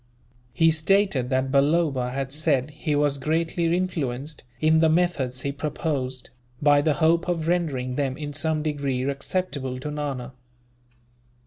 He stated that Balloba had said he was greatly influenced, in the methods he proposed, by the hope of rendering them in some degree acceptable to Nana.